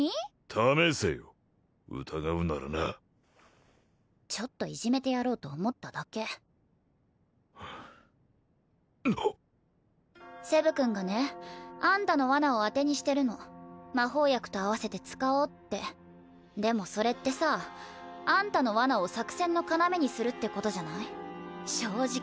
試せよ疑うならなちょっといじめてやろうと思っただけセブ君がねあんたのワナを当てにしてるの魔法薬と合わせて使おうってでもそれってさあんたのワナを作戦の要にするってことじゃない正直